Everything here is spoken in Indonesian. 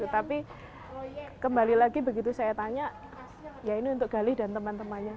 tapi kembali lagi begitu saya tanya ya ini untuk gali dan teman temannya